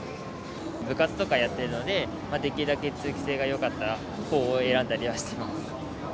部活とかやってるので、できるだけ通気性がよかったほうを選んだりはしてます。